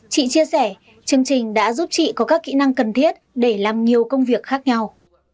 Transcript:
chị chia sẻ chương trình đã giúp chị có các kỹ năng cần thiết để làm nhiều công việc khác nhau